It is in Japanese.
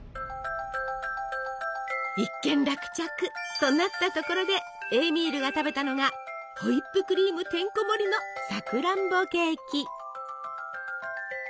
一件落着となったところでエーミールが食べたのがホイップクリームてんこもりのさくらんぼケーキ！